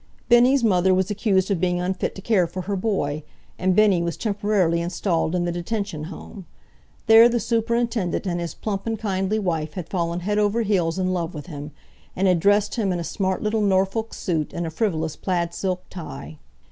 Bennie's mother was accused of being unfit to care for her boy, and Bennie was temporarily installed in the Detention Home. There the superintendent and his plump and kindly wife had fallen head over heels in love with him, and had dressed him in a smart little Norfolk suit and a frivolous plaid silk tie.